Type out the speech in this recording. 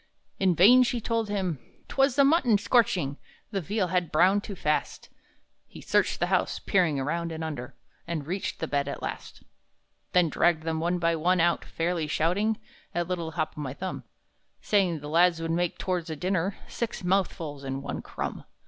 In vain she told him 'twas the mutton scorching; The veal had browned too fast; He searched the house, peering around and under, And reached the bed at last, Then dragged them one by one out, fairly shouting At little Hop o'my Thumb, Saying the lads would make, towards a dinner, Six mouthfuls and one crumb.